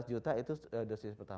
ya sebelas juta itu dosis pertama